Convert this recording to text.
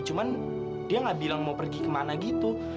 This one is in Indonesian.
cuman dia nggak bilang mau pergi kemana gitu